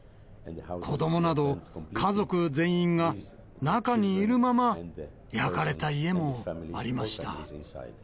子どもなど家族全員が中にいるまま、焼かれた家もありました。